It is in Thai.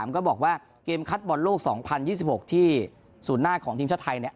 ก็บอกว่าเกมคัดบอลโลก๒๐๒๖ที่ศูนย์หน้าของทีมชาติไทย